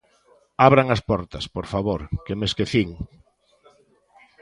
Abran as portas, por favor, que me esquecín.